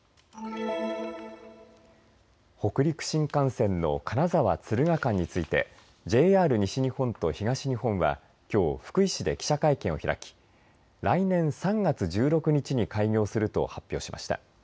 北陸新幹線の金沢・敦賀間についてＪＲ西日本と東日本はきょう福井市で記者会見を開き来年３月１６日に開業すると発表しました。